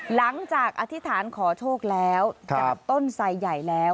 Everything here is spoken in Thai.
อธิษฐานขอโชคแล้วจากต้นไสใหญ่แล้ว